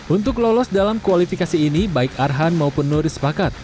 untuk lolos dalam kualifikasi ini baik arhan maupun nuri sepakat